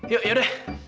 yuk ya udah